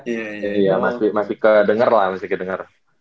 iya masih kedenger lah masih kedenger